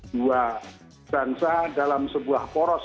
dua bangsa dalam sebuah poros